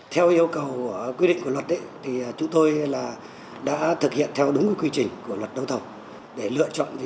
theo yêu cầu quy định của luật chúng tôi đã thực hiện theo đúng quy trình của luật đấu thầu để lựa chọn